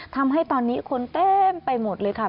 ทำให้ตอนนี้คนเต็มไปหมดเลยค่ะ